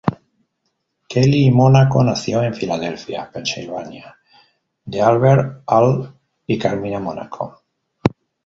Kelly Monaco nació en Filadelfia, Pensilvania de Albert "Al" y Carmina Monaco.